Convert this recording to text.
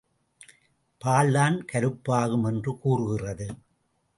பால்தான் கருப்பாகும் என்று கூறுகிறது.